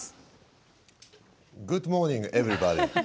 グッドモーニングエブリバディー。